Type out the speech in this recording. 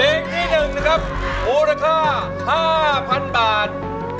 เพลงที่๑นะครับมูลค่า๕๐๐๐บาท